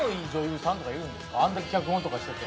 あんだけ脚本とかしてて。